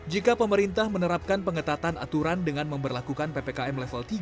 jika pemerintah menerapkan pengetatan aturan dengan memperlakukan ppkm level tiga